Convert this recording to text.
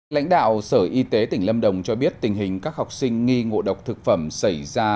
lãnh đạo sở y tế tỉnh lâm đồng cho biết tình hình các học sinh nghi ngộ độc thực phẩm xảy ra